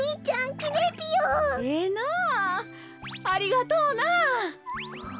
ありがとうな。